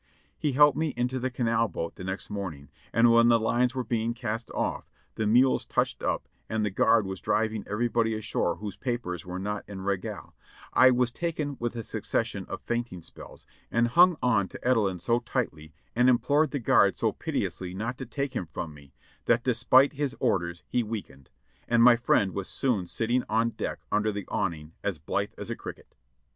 He helped me into the canal boat the next morning, and when the lines were being cast off, the mules touched up and the guard was driving everybody ashore whose papers were not en regie, I was taken with a succession of fainting spells, and hung on to Edelin so tightly and implored the guards so piteously not to take him from me, that despite his orders he weakened, and my friend was soon sitting on deck under the awning, as blithe as a cricket.